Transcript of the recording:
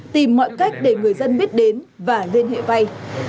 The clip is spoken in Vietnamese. tìm mọi cách để người dân biết đến và liên hệ vay